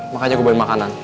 makanya gue beli makanan